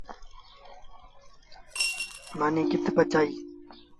مآݩيٚ ڪٿ پڇائيٚݩ۔